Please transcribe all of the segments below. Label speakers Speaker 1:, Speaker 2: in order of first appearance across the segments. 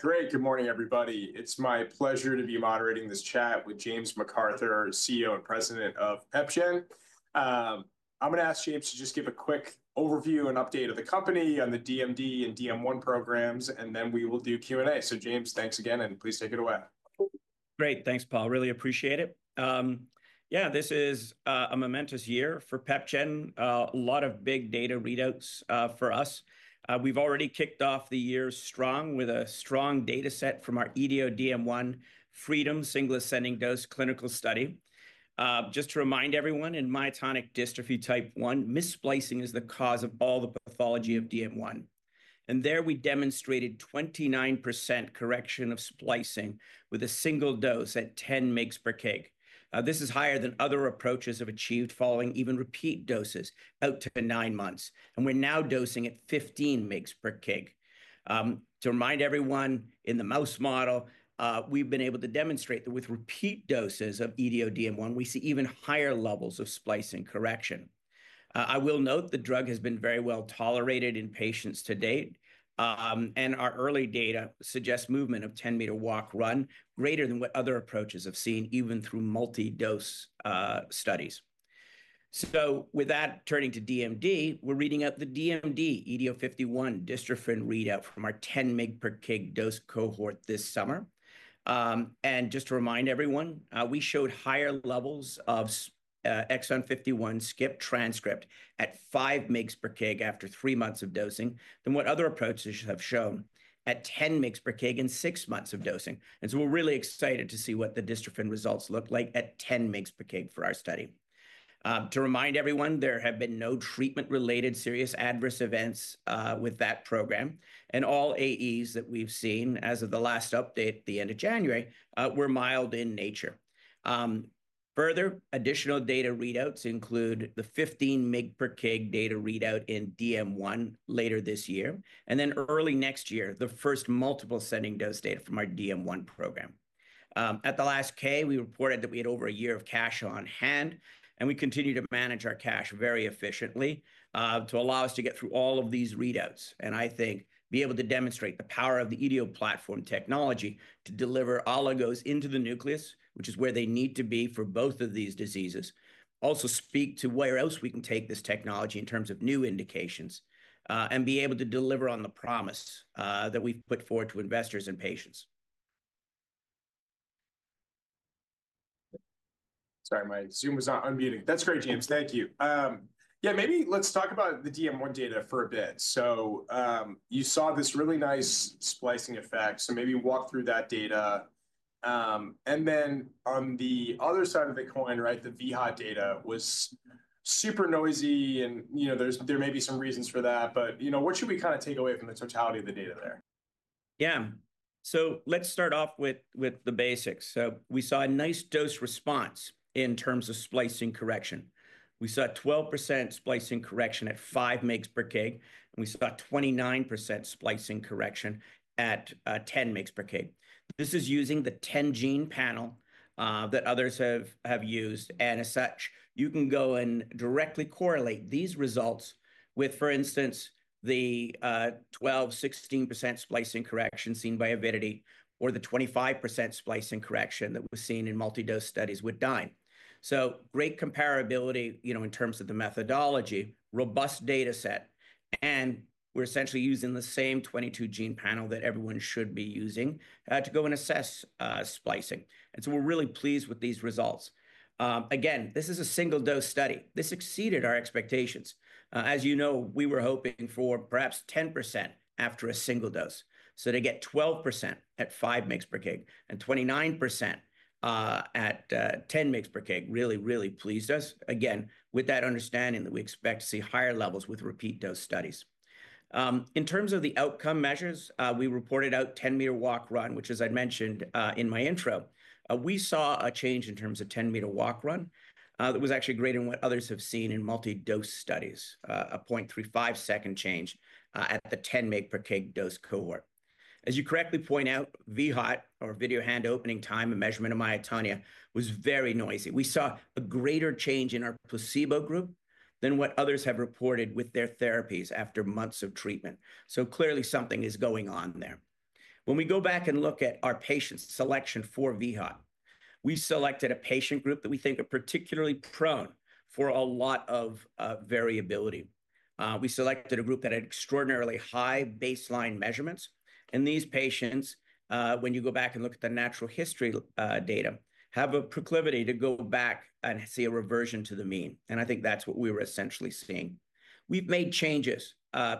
Speaker 1: Great. Good morning, everybody. It's my pleasure to be moderating this chat with James McArthur, CEO and President of PepGen. I'm going to ask James to just give a quick overview and update of the company on the DMD and DM1 programs, and then we will do Q&A. James, thanks again, and please take it away.
Speaker 2: Great. Thanks, Paul. Really appreciate it. Yeah, this is a momentous year for PepGen. A lot of big data readouts for us. We've already kicked off the year strong with a strong dataset from our EDO-DM1 FREEDOM single-ascending dose clinical study. Just to remind everyone, in myotonic dystrophy type 1, missplicing is the cause of all the pathology of DM1. There we demonstrated 29% correction of splicing with a single dose at 10 mg/kg. This is higher than other approaches have achieved following even repeat doses out to nine months. We're now dosing at 15 mg/kg. To remind everyone, in the mouse model, we've been able to demonstrate that with repeat doses of EDO-DM1, we see even higher levels of splicing correction. I will note the drug has been very well tolerated in patients to date, and our early data suggest movement of 10-meter walk/run greater than what other approaches have seen, even through multi-dose studies. With that, turning to DMD, we're reading out the DMD EDO-51 dystrophin readout from our 10 mg/kg dose cohort this summer. Just to remind everyone, we showed higher levels of exon 51 skip transcript at 5 mg/kg after three months of dosing than what other approaches have shown at 10 mg/kg in six months of dosing. We are really excited to see what the dystrophin results look like at 10 mg/kg for our study. To remind everyone, there have been no treatment-related serious adverse events with that program. All AEs that we've seen as of the last update at the end of January were mild in nature. Further, additional data readouts include the 15 mg/kg data readout in DM1 later this year, and early next year, the first multiple ascending dose data from our DM1 program. At the last K, we reported that we had over a year of cash on hand, and we continue to manage our cash very efficiently to allow us to get through all of these readouts. I think be able to demonstrate the power of the EDO platform technology to deliver oligos into the nucleus, which is where they need to be for both of these diseases, also speak to where else we can take this technology in terms of new indications, and be able to deliver on the promise that we've put forward to investors and patients.
Speaker 1: Sorry, my Zoom was not unmuting. That's great, James. Thank you. Yeah, maybe let's talk about the DM1 data for a bit. You saw this really nice splicing effect. Maybe walk through that data. On the other side of the coin, right, the vHOT data was super noisy, and you know there may be some reasons for that, but you know what should we kind of take away from the totality of the data there?
Speaker 2: Yeah. Let's start off with the basics. We saw a nice dose response in terms of splicing correction. We saw a 12% splicing correction at 5 mg/kg, and we saw a 29% splicing correction at 10 mg/kg. This is using the 10-gene panel that others have used. As such, you can go and directly correlate these results with, for instance, the 12%-16% splicing correction seen by Avidity or the 25% splicing correction that was seen in multi-dose studies with Dyne. Great comparability in terms of the methodology, robust dataset, and we're essentially using the same 22-gene panel that everyone should be using to go and assess splicing. We're really pleased with these results. Again, this is a single-dose study. This exceeded our expectations. As you know, we were hoping for perhaps 10% after a single dose. To get 12% at 5 mg/kg and 29% at 10 mg/kg really, really pleased us. Again, with that understanding that we expect to see higher levels with repeat dose studies. In terms of the outcome measures, we reported out 10-meter walk/run, which, as I mentioned in my intro, we saw a change in terms of 10-meter walk/run that was actually greater than what others have seen in multi-dose studies, a 0.35-second change at the 10 mg/kg dose cohort. As you correctly point out, vHOT or video hand opening time and measurement of myotonia was very noisy. We saw a greater change in our placebo group than what others have reported with their therapies after months of treatment. Clearly something is going on there. When we go back and look at our patient selection for vHOT, we selected a patient group that we think are particularly prone for a lot of variability. We selected a group that had extraordinarily high baseline measurements. These patients, when you go back and look at the natural history data, have a proclivity to go back and see a reversion to the mean. I think that's what we were essentially seeing. We've made changes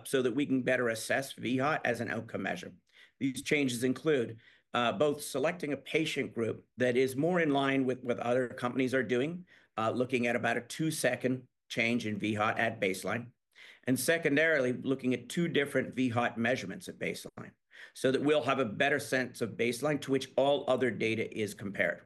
Speaker 2: so that we can better assess vHOT as an outcome measure. These changes include both selecting a patient group that is more in line with what other companies are doing, looking at about a two-second change in vHOT at baseline, and secondarily, looking at two different vHOT measurements at baseline so that we'll have a better sense of baseline to which all other data is compared.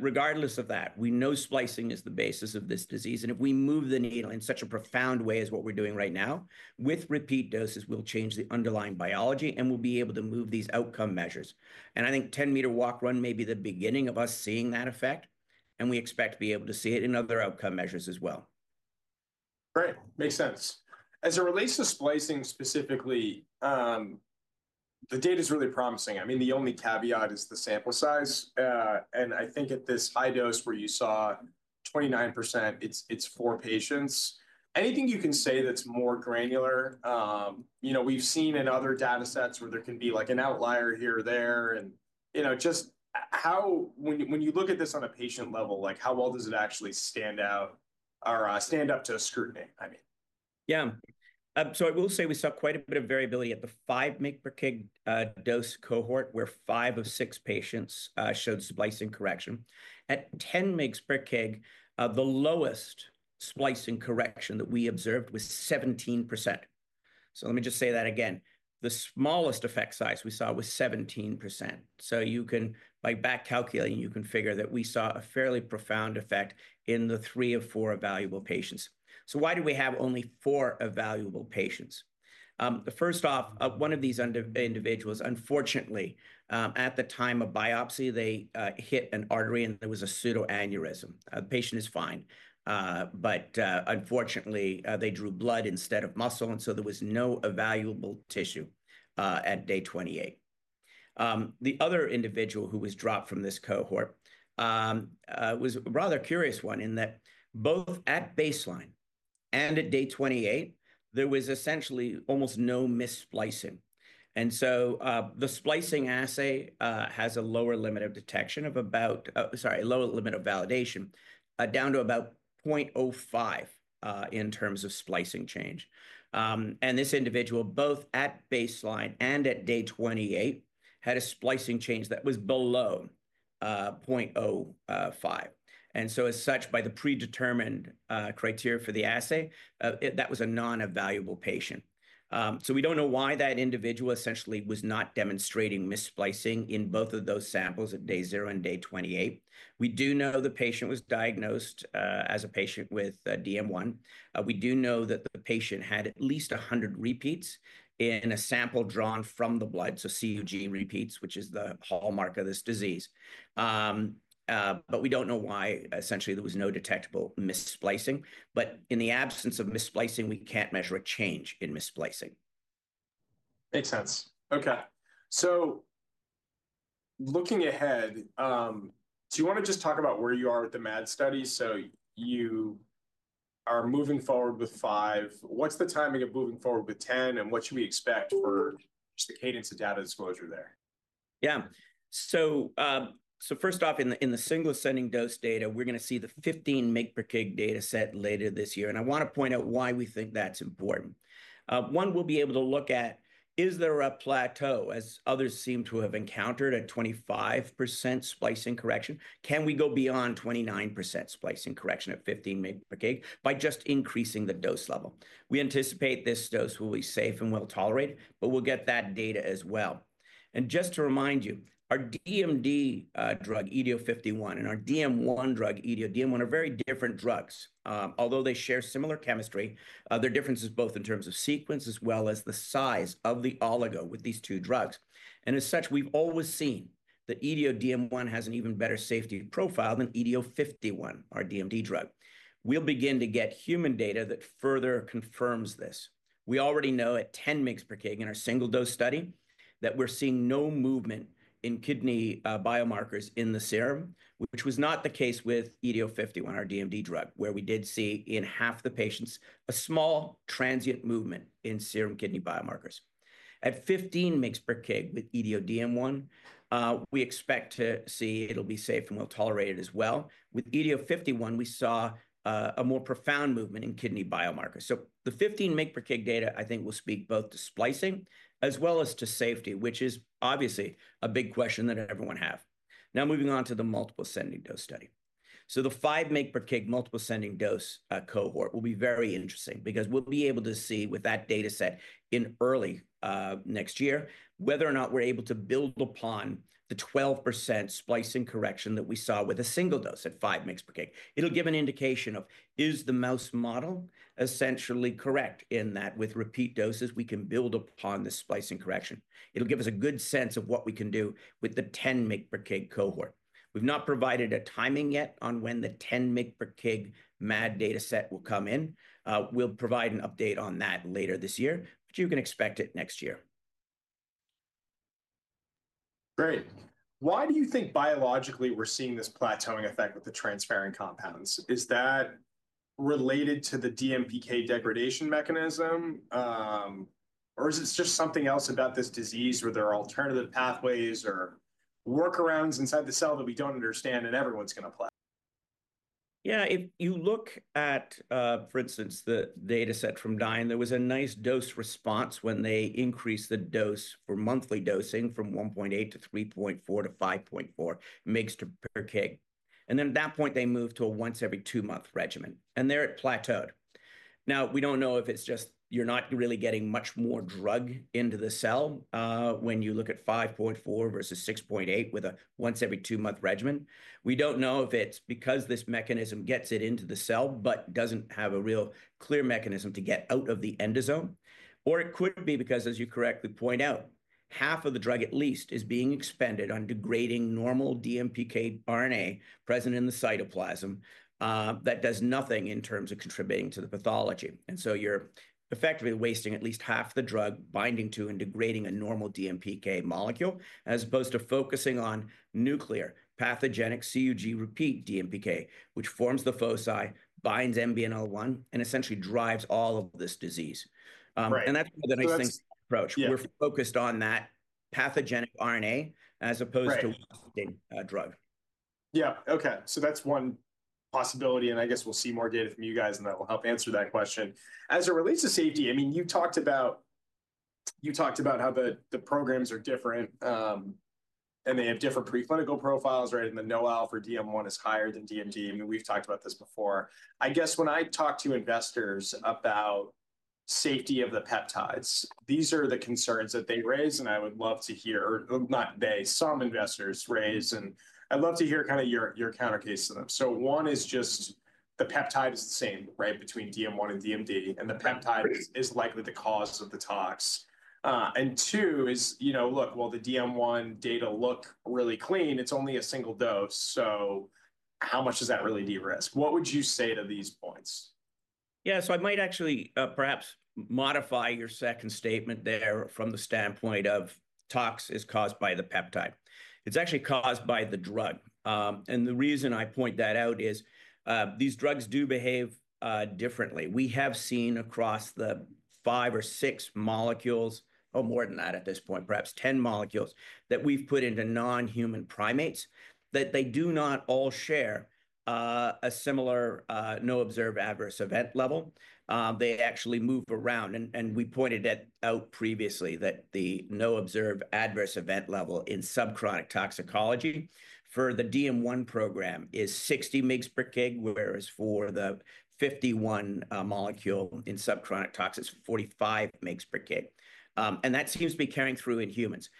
Speaker 2: Regardless of that, we know splicing is the basis of this disease. If we move the needle in such a profound way as what we're doing right now, with repeat doses, we'll change the underlying biology and we'll be able to move these outcome measures. I think 10-meter walk/run may be the beginning of us seeing that effect, and we expect to be able to see it in other outcome measures as well.
Speaker 1: Great. Makes sense. As it relates to splicing specifically, the data is really promising. I mean, the only caveat is the sample size. I think at this high dose where you saw 29%, it's four patients. Anything you can say that's more granular? You know, we've seen in other datasets where there can be like an outlier here or there. You know, just how, when you look at this on a patient level, like how well does it actually stand out or stand up to scrutiny, I mean?
Speaker 2: Yeah. I will say we saw quite a bit of variability at the 5 mg/kg dose cohort where five of six patients showed splicing correction. At 10 mg/kg, the lowest splicing correction that we observed was 17%. Let me just say that again. The smallest effect size we saw was 17%. By back calculating, you can figure that we saw a fairly profound effect in the three of four evaluable patients. Why do we have only four evaluable patients? First off, one of these individuals, unfortunately, at the time of biopsy, they hit an artery and there was a pseudoaneurysm. The patient is fine, but unfortunately, they drew blood instead of muscle, and so there was no evaluable tissue at day 28. The other individual who was dropped from this cohort was a rather curious one in that both at baseline and at day 28, there was essentially almost no missplicing. The splicing assay has a lower limit of detection of about, sorry, a lower limit of validation down to about 0.05 in terms of splicing change. This individual, both at baseline and at day 28, had a splicing change that was below 0.05. As such, by the predetermined criteria for the assay, that was a non-evaluable patient. We do not know why that individual essentially was not demonstrating missplicing in both of those samples at day 0 and day 28. We do know the patient was diagnosed as a patient with DM1. We do know that the patient had at least 100 repeats in a sample drawn from the blood, so CUG repeats, which is the hallmark of this disease. We don't know why essentially there was no detectable missplicing. In the absence of missplicing, we can't measure a change in missplicing.
Speaker 1: Makes sense. Okay. Looking ahead, do you want to just talk about where you are with the MAD study? You are moving forward with five. What's the timing of moving forward with 10, and what should we expect for just the cadence of data disclosure there?
Speaker 2: Yeah. First off, in the single-ascending dose data, we're going to see the 15 mg/kg dataset later this year. I want to point out why we think that's important. One, we'll be able to look at, is there a plateau as others seem to have encountered at 25% splicing correction? Can we go beyond 29% splicing correction at 15 mg/kg by just increasing the dose level? We anticipate this dose will be safe and well tolerated, but we'll get that data as well. Just to remind you, our DMD drug EDO-51 and our DM1 drug EDO-DM1 are very different drugs. Although they share similar chemistry, their difference is both in terms of sequence as well as the size of the oligo with these two drugs. As such, we've always seen that EDO-DM1 has an even better safety profile than EDO-51, our DMD drug. We'll begin to get human data that further confirms this. We already know at 10 mg/kg in our single-dose study that we're seeing no movement in kidney biomarkers in the serum, which was not the case with EDO-51, our DMD drug, where we did see in half the patients a small transient movement in serum kidney biomarkers. At 15 mg/kg with EDO-DM1, we expect to see it'll be safe and well tolerated as well. With EDO-51, we saw a more profound movement in kidney biomarkers. The 15 mg/kg data, I think, will speak both to splicing as well as to safety, which is obviously a big question that everyone has. Now, moving on to the multiple ascending dose study. The 5 mg/kg multiple ascending dose cohort will be very interesting because we'll be able to see with that dataset in early next year whether or not we're able to build upon the 12% splicing correction that we saw with a single dose at 5 mg/kg. It'll give an indication of is the mouse model essentially correct in that with repeat doses, we can build upon the splicing correction. It'll give us a good sense of what we can do with the 10 mg/kg cohort. We've not provided a timing yet on when the 10 mg/kg MAD dataset will come in. We'll provide an update on that later this year, but you can expect it next year.
Speaker 1: Great. Why do you think biologically we're seeing this plateauing effect with the transferrin compounds? Is that related to the DMPK degradation mechanism, or is it just something else about this disease where there are alternative pathways or workarounds inside the cell that we don't understand and everyone's going to play?
Speaker 2: Yeah. If you look at, for instance, the dataset from Dyne, there was a nice dose response when they increased the dose for monthly dosing from 1.8 to 3.4 to 5.4 mg/kg. At that point, they moved to a once every two-month regimen, and there it plateaued. Now, we do not know if it is just you are not really getting much more drug into the cell when you look at 5.4 vs 6.8 with a once every two-month regimen. We do not know if it is because this mechanism gets it into the cell, but does not have a real clear mechanism to get out of the endosome. It could be because, as you correctly point out, half of the drug at least is being expended on degrading normal DMPK RNA present in the cytoplasm that does nothing in terms of contributing to the pathology. You're effectively wasting at least half the drug binding to and degrading a normal DMPK molecule as opposed to focusing on nuclear pathogenic CUG repeat DMPK, which forms the foci, binds MBNL1, and essentially drives all of this disease. That's the nice thing about this approach. We're focused on that pathogenic RNA as opposed to wasting drug.
Speaker 1: Yeah. Okay. That is one possibility. I guess we will see more data from you guys, and that will help answer that question. As it relates to safety, I mean, you talked about how the programs are different and they have different preclinical profiles, right? The know-how for DM1 is higher than DMD. I mean, we have talked about this before. I guess when I talk to investors about safety of the peptides, these are the concerns that they raise, and I would love to hear, or not they, some investors raise, and I would love to hear kind of your countercase to them. One is just the peptide is the same, right, between DM1 and DMD, and the peptide is likely the cause of the tox. Two is, you know, look, the DM1 data look really clean. It is only a single dose. How much does that really de-risk? What would you say to these points?
Speaker 2: Yeah. I might actually perhaps modify your second statement there from the standpoint of tox is caused by the peptide. It's actually caused by the drug. The reason I point that out is these drugs do behave differently. We have seen across the five or six molecules, or more than that at this point, perhaps 10 molecules that we've put into non-human primates that they do not all share a similar no-observed-adverse-effect level. They actually move around. We pointed out previously that the no-observed-adverse effect level in subchronic toxicology for the DM1 program is 60 mg/kg, whereas for the 51-molecule in subchronic tox is 45 mg/kg. That seems to be carrying through in humans.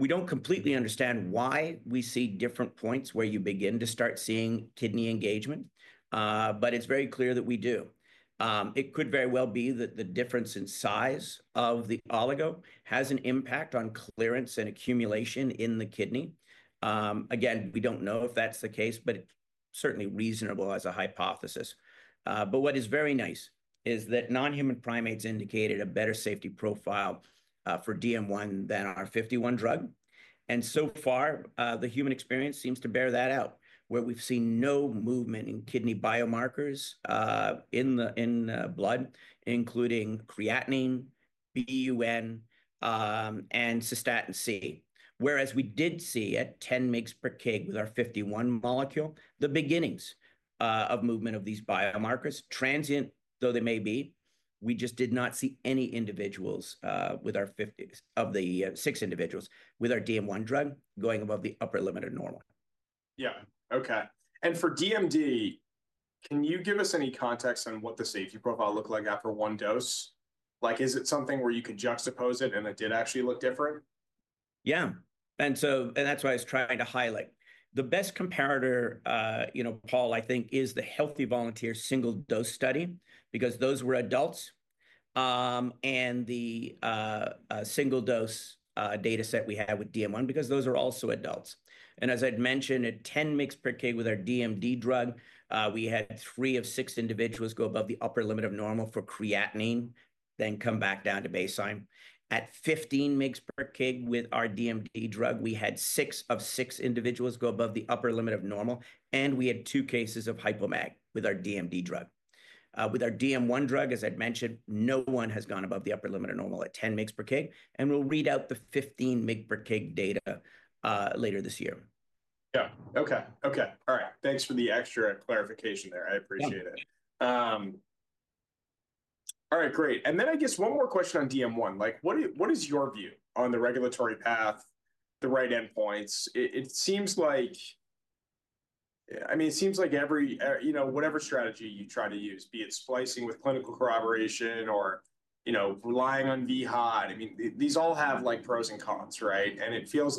Speaker 2: We don't completely understand why we see different points where you begin to start seeing kidney engagement, but it's very clear that we do. It could very well be that the difference in size of the oligo has an impact on clearance and accumulation in the kidney. Again, we don't know if that's the case, but it's certainly reasonable as a hypothesis. What is very nice is that non-human primates indicated a better safety profile for DM1 than our 51 drug. So far, the human experience seems to bear that out, where we've seen no movement in kidney biomarkers in the blood, including creatinine, BUN, and cystatin C. Whereas we did see at 10 mg/kg with our 51 molecule the beginnings of movement of these biomarkers. Transient though they may be, we just did not see any individuals with our 50 of the six individuals with our DM1 drug going above the upper limit of normal.
Speaker 1: Yeah. Okay. For DMD, can you give us any context on what the safety profile looked like after one dose? Like, is it something where you could juxtapose it and it did actually look different?
Speaker 2: Yeah. That is why I was trying to highlight. The best comparator, you know, Paul, I think, is the healthy volunteer single-dose study because those were adults. The single-dose dataset we had with DM1, because those are also adults. As I'd mentioned, at 10 mg/kg with our DMD drug, we had three of six individuals go above the upper limit of normal for creatinine, then come back down to baseline. At 15 mg/kg with our DMD drug, we had six of six individuals go above the upper limit of normal, and we had two cases of hypomag with our DMD drug. With our DM1 drug, as I'd mentioned, no one has gone above the upper limit of normal at 10 mg/kg. We will read out the 15 mg/kg data later this year.
Speaker 1: Yeah. Okay. Okay. All right. Thanks for the extra clarification there. I appreciate it. All right. Great. I guess one more question on DM1. Like, what is your view on the regulatory path, the right endpoints? It seems like, I mean, it seems like every, you know, whatever strategy you try to use, be it splicing with clinical corroboration or, you know, relying on vHOT, I mean, these all have like pros and cons, right? It feels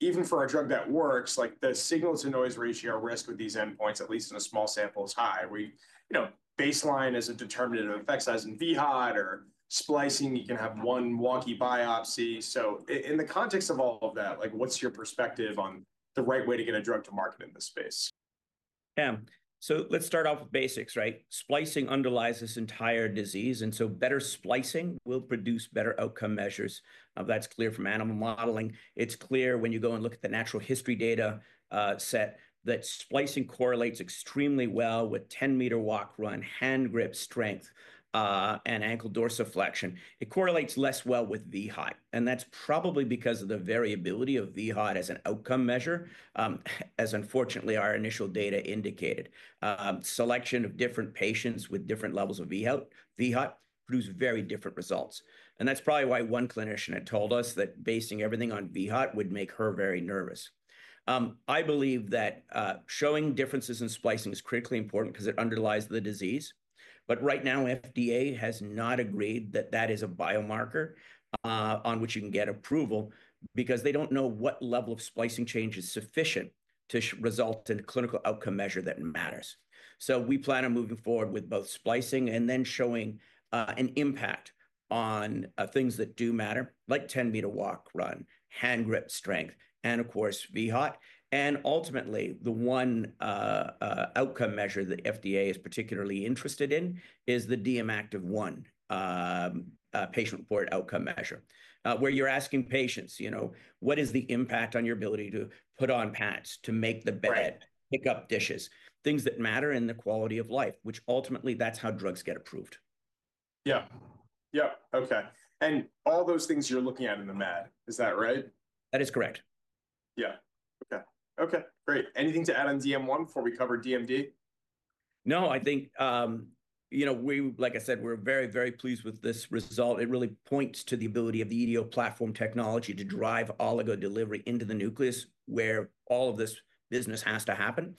Speaker 1: like even for a drug that works, like the signal-to-noise ratio risk with these endpoints, at least in a small sample, is high. You know, baseline is a determinant of effect size in vHOT or splicing, you can have one wonky biopsy. In the context of all of that, like, what's your perspective on the right way to get a drug to market in this space?
Speaker 2: Yeah. Let's start off with basics, right? Splicing underlies this entire disease. Better splicing will produce better outcome measures. That's clear from animal modeling. It's clear when you go and look at the natural history data set that splicing correlates extremely well with 10-meter walk/run, hand grip strength, and ankle dorsiflexion. It correlates less well with vHOT. That's probably because of the variability of vHOT as an outcome measure, as unfortunately our initial data indicated. Selection of different patients with different levels of vHOT produced very different results. That's probably why one clinician had told us that basing everything on vHOT would make her very nervous. I believe that showing differences in splicing is critically important because it underlies the disease. Right now, FDA has not agreed that that is a biomarker on which you can get approval because they don't know what level of splicing change is sufficient to result in a clinical outcome measure that matters. We plan on moving forward with both splicing and then showing an impact on things that do matter, like 10-meter walk/run, hand grip strength, and of course, vHOT. Ultimately, the one outcome measure that FDA is particularly interested in is the DM1-Activ patient report outcome measure, where you're asking patients, you know, what is the impact on your ability to put on pants, to make the bed, pick up dishes, things that matter in the quality of life, which ultimately that's how drugs get approved.
Speaker 1: Yeah. Yeah. Okay. All those things you're looking at in the MAD. Is that right?
Speaker 2: That is correct.
Speaker 1: Yeah. Okay. Okay. Great. Anything to add on DM1 before we cover DMD?
Speaker 2: No, I think, you know, we, like I said, we're very, very pleased with this result. It really points to the ability of the EDO platform technology to drive oligo delivery into the nucleus where all of this business has to happen.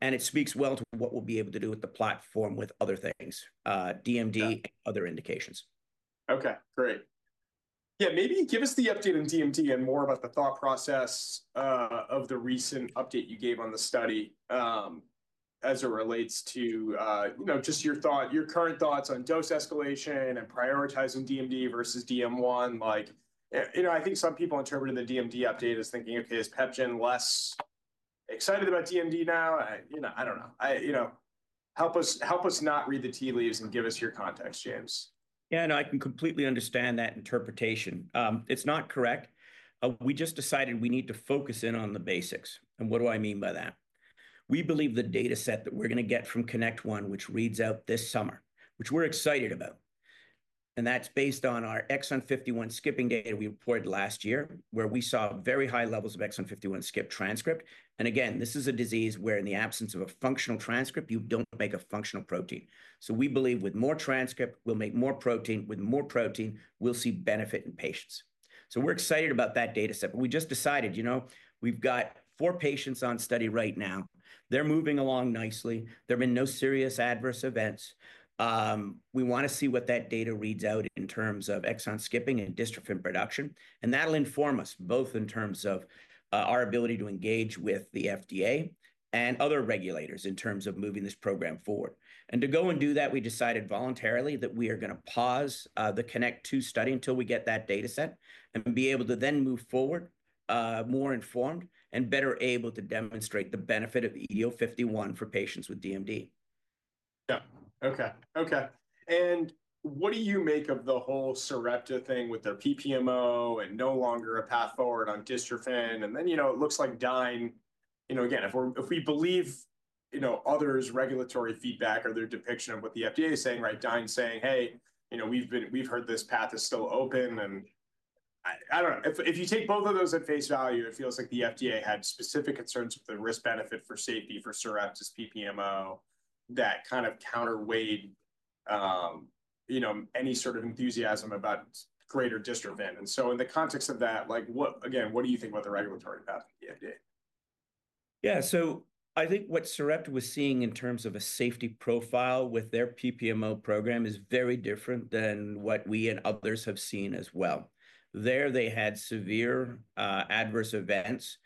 Speaker 2: It speaks well to what we'll be able to do with the platform with other things, DMD and other indications.
Speaker 1: Okay. Great. Yeah. Maybe give us the update on DMD and more about the thought process of the recent update you gave on the study as it relates to, you know, just your thought, your current thoughts on dose escalation and prioritizing DMD versus DM1. Like, you know, I think some people interpreted the DMD update as thinking, okay, is PepGen less excited about DMD now? You know, I do not know. You know, help us not read the tea leaves and give us your context, James.
Speaker 2: Yeah. I can completely understand that interpretation. It's not correct. We just decided we need to focus in on the basics. What do I mean by that? We believe the dataset that we're going to get from CONNECT1-EDO51, which reads out this summer, which we're excited about. That's based on our exon 51 skipping data we reported last year, where we saw very high levels of exon 51 skip transcript. This is a disease where in the absence of a functional transcript, you don't make a functional protein. We believe with more transcript, we'll make more protein. With more protein, we'll see benefit in patients. We're excited about that dataset. We just decided, you know, we've got four patients on study right now. They're moving along nicely. There have been no serious adverse events. We want to see what that data reads out in terms of exon skipping and dystrophin production. That'll inform us both in terms of our ability to engage with the FDA and other regulators in terms of moving this program forward. To go and do that, we decided voluntarily that we are going to pause the CONNECT2 study until we get that dataset and be able to then move forward more informed and better able to demonstrate the benefit of EDO-51 for patients with DMD.
Speaker 1: Yeah. Okay. Okay. What do you make of the whole Sarepta thing with their PPMO and no longer a path forward on dystrophin? You know, it looks like Dyne, you know, again, if we believe, you know, others' regulatory feedback or their depiction of what the FDA is saying, right? Dyne saying, hey, you know, we've heard this path is still open. I don't know. If you take both of those at face value, it feels like the FDA had specific concerns with the risk-benefit for safety for Sarepta's PPMO that kind of counterweighed, you know, any sort of enthusiasm about greater dystrophin. In the context of that, like, what, again, what do you think about the regulatory path of DMD?
Speaker 2: Yeah. I think what Sarepta was seeing in terms of a safety profile with their PPMO program is very different than what we and others have seen as well. They had severe adverse events,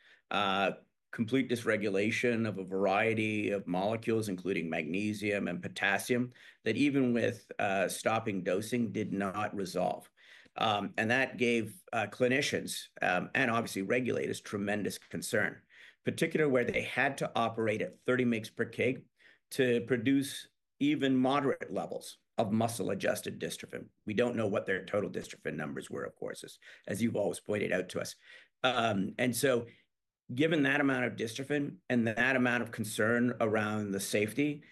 Speaker 2: complete dysregulation of a variety of molecules, including magnesium and potassium, that even with stopping dosing did not resolve. That gave clinicians and obviously regulators tremendous concern, particularly where they had to operate at 30 mg/kg to produce even moderate levels of muscle-adjusted dystrophin. We do not know what their total dystrophin numbers were, of course, as you have always pointed out to us. Given that amount of dystrophin and that amount of concern around the safety,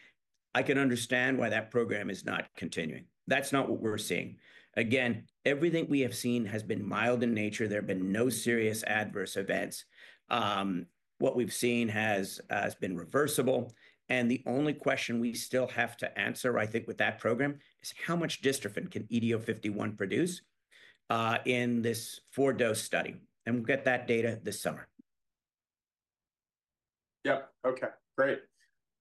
Speaker 2: I can understand why that program is not continuing. That is not what we are seeing. Again, everything we have seen has been mild in nature. There have been no serious adverse events. What we've seen has been reversible. The only question we still have to answer, I think, with that program is how much dystrophin can EDO-51 produce in this four-dose study? We'll get that data this summer.
Speaker 1: Yep. Okay. Great.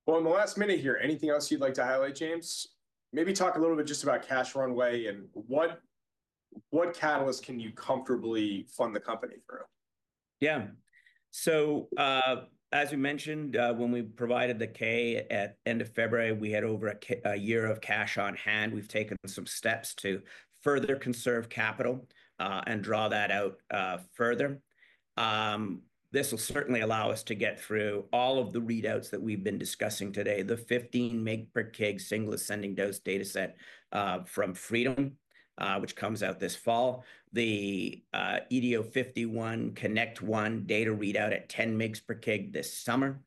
Speaker 1: In the last minute here, anything else you'd like to highlight, James? Maybe talk a little bit just about cash runway and what catalysts can you comfortably fund the company through?
Speaker 2: Yeah. As we mentioned, when we provided the K at the end of February, we had over a year of cash on hand. We've taken some steps to further conserve capital and draw that out further. This will certainly allow us to get through all of the readouts that we've been discussing today, the 15 mg/kg single ascending dose dataset from FREEDOM-DM1, which comes out this fall, the EDO-51 CONNECT1-EDO51 data readout at 10 mg/kg this summer,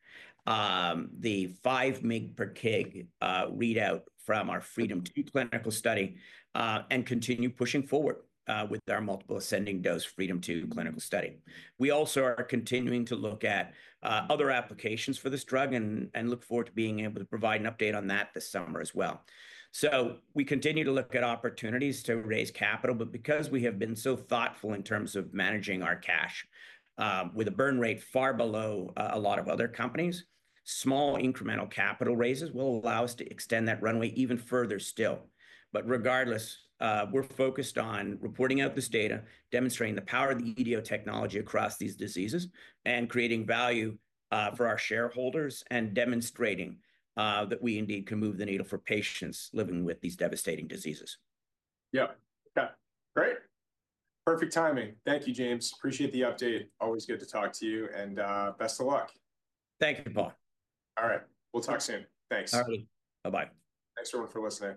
Speaker 2: the 5 mg/kg readout from our FREEDOM-DM1 clinical study, and continue pushing forward with our multiple ascending dose FREEDOM-DM1 clinical study. We also are continuing to look at other applications for this drug and look forward to being able to provide an update on that this summer as well. We continue to look at opportunities to raise capital. Because we have been so thoughtful in terms of managing our cash with a burn rate far below a lot of other companies, small incremental capital raises will allow us to extend that runway even further still. Regardless, we're focused on reporting out this data, demonstrating the power of the EDO technology across these diseases, and creating value for our shareholders, and demonstrating that we indeed can move the needle for patients living with these devastating diseases.
Speaker 1: Yep. Okay. Great. Perfect timing. Thank you, James. Appreciate the update. Always good to talk to you. Best of luck.
Speaker 2: Thank you, Paul.
Speaker 1: All right. We'll talk soon. Thanks.
Speaker 2: Bye-bye.
Speaker 1: Thanks everyone for listening.